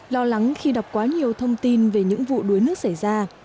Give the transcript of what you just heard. lo lắng khi đọc quá nhiều thông tin về những vụ đuối nước xảy ra